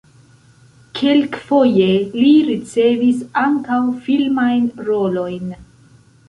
Kelkfoje li ricevis ankaŭ filmajn rolojn.